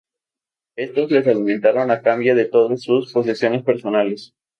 Estos les alimentaron a cambio de todas sus posesiones personales.